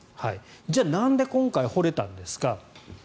じゃあなんで今回掘れたんですか。